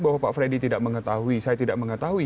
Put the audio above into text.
bahwa pak freddy tidak mengetahui saya tidak mengetahui